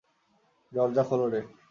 দরজা খোল রে।